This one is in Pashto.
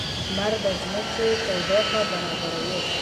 • لمر د ځمکې تودوخه برابروي.